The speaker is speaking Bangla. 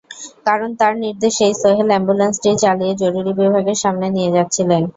কারণ তাঁর নির্দেশেই সোহেল অ্যাম্বুলেন্সটি চালিয়ে জরুরি বিভাগের সামনে নিয়ে যাচ্ছিলেন।